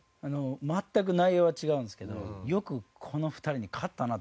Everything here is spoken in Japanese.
全く内容は違うんですけどよくこの２人に勝ったなと思いました。